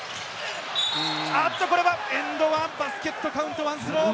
これはエンドワン、バスケットカウントワンスロー。